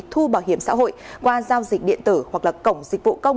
thu bảo hiểm xã hội qua giao dịch điện tử hoặc là cổng dịch vụ công